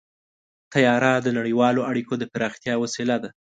طیاره د نړیوالو اړیکو د پراختیا وسیله ده.